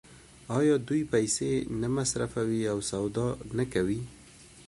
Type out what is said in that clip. آیا دوی پیسې نه مصرفوي او سودا نه کوي؟